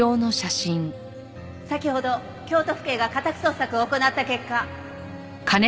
先ほど京都府警が家宅捜索を行った結果。